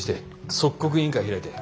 即刻委員会開いて。